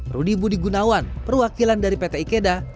rudy budi gunawan perwakilan dari pt ikeda